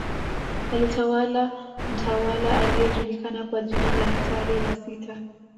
Alitawala mtawala aliyejulikana kwa jina la Ntare wa sita